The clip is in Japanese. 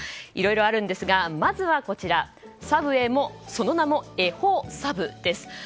いろいろあるんですがまずはサブウェイのその名も恵方サブです。